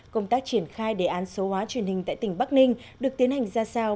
công tác triển khai đề án số hóa truyền hình tại tỉnh bắc ninh được tiến hành ra sao